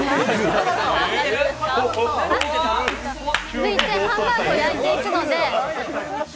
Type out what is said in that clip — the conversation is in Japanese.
続いてハンバーグを焼いていくので